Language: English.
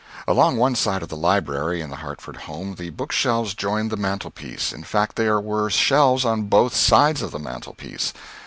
Along one side of the library, in the Hartford home, the bookshelves joined the mantelpiece in fact there were shelves on both sides of the mantelpiece.